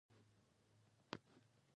هندوکش د افغانستان د طبعي سیسټم توازن ساتي.